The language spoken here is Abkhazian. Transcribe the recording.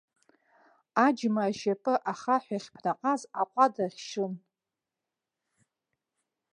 Аџьма ашьапы ахаҳә иахьԥнаҟаз аҟәада ахьшын.